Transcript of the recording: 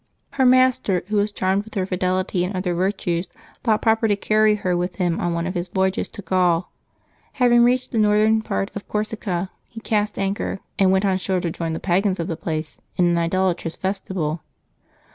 Her master, who was charmed with her fidelity and other virtues, thought proper to carry her with him on one of his voyages to Gaul. Having reached the northern part of Corsica, he cast anchor, and went on shore to join the pagans of the place in an idolatrous festival.